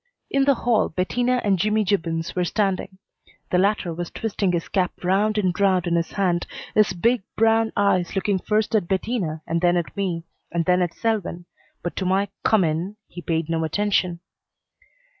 In the hall Bettina and Jimmy Gibbons were standing. The latter was twisting his cap round and round in his hand, his big, brown eyes looking first at Bettina and then at me and then at Selwyn, but to my "Come in," he paid no attention.